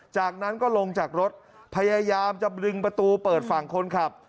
จากนั้นก็ลงจากรถพยายามจะดึงประตูเปิดฝั่งคนขับ